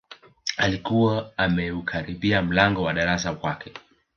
Alikuwa ameukaribia mlango wa darasani kwake